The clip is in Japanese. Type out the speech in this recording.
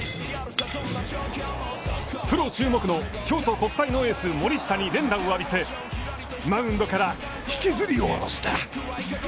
プロ注目の京都国際のエース森下に連打を浴びせ、マウンドから引きずりおろした。